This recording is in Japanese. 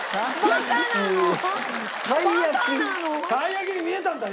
たい焼きに見えたんだよ